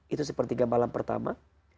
itu sepertiga malam pertama